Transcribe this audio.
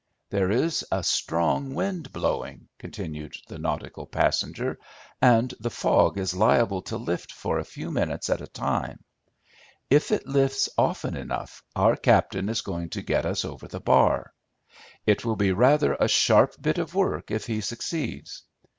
"There is a strong wind blowing," continued the nautical passenger, "and the fog is liable to lift for a few minutes at a time. If it lifts often enough our captain is going to get us over the bar. It will be rather a sharp bit of work if he succeeds.